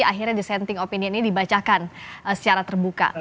akhirnya dissenting opinion ini dibacakan secara terbuka